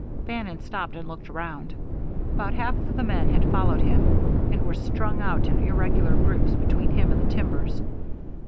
Bannon stopped and looked around. About half of the men had followed him, and were strung out in irregular groups between him and the timbers.